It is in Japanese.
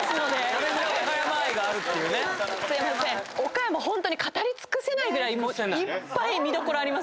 岡山語り尽くせないぐらいいっぱい見どころありますから。